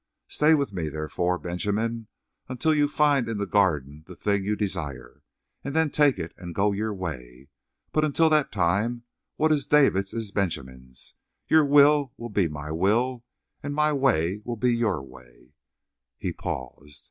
Stay with me, therefore, Benjamin, until you find in the Garden the thing you desire, then take it and go your way. But until that time, what is David's is Benjamin's; your will be my will, and my way be your way." He paused.